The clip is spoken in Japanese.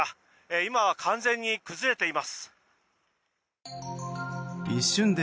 今は完全に崩れています。